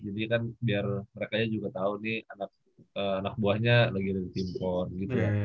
jadi kan biar mereka juga tau nih anak buahnya lagi ada di tim pon gitu ya